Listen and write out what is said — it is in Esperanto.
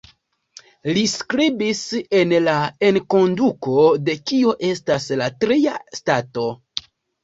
Li skribis en la enkonduko de "Kio estas la Tria Stato?